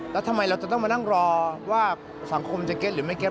แล้วทำไมเราจะต้องมานั่งรอว่าสังคมจะเก็ตหรือไม่เก็ต